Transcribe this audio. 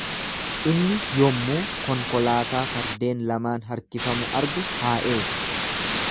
Inni yommuu konkolaataa fardeen lamaan harkifamu argu haa eegu.